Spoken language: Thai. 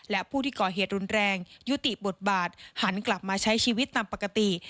และผู้ที่ก่อเหตุรุนแรงยุติบทบาทหันกลับมาใช้ชีวิตตามปกติ